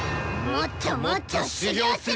もっともっと修業する！